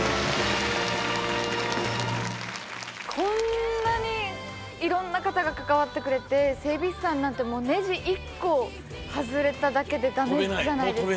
こんなにいろんな方が関わってくれて、整備士さんなんて、ねじ１個外れただけでだめじゃないですか。